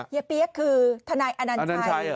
เฮียเปี๊ยกคือธนายอนันชัย